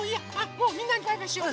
もうみんなにバイバイしよう！